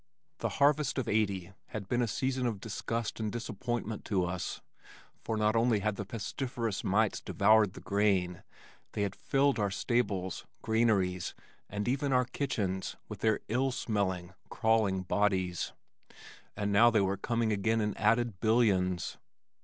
The harvest of '80 had been a season of disgust and disappointment to us for not only had the pestiferous mites devoured the grain, they had filled our stables, granaries, and even our kitchens with their ill smelling crawling bodies and now they were coming again in added billions.